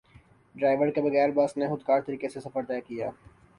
driver کے بغیر bus نے خودکار طریقے سے سفر طے کیا